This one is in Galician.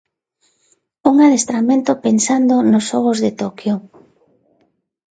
Un adestramento pensando nos xogos de Toquio.